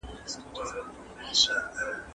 موږ باید د ساینس په برخه کي ګډه څېړنه وکړو.